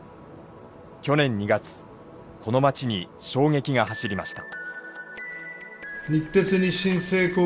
去年２月この街に衝撃が走りました。